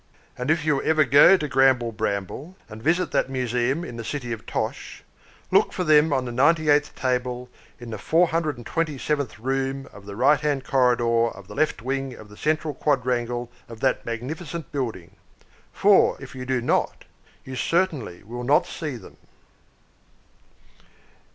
And if you ever happen to go to Gramble Blamble, and visit that museum in the city of Tosh, look for them on the ninety eighth table in the four hundred and twenty seventh room of the right hand corridor of the left wing of the central quadrangle of that magnificent building; for, if you do not, you certainly will not see them.